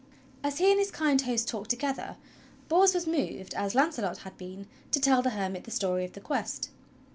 As he and his kind host talked together, Bors w^as moved as Launcelot had been to tell the hermit the story of the Quest.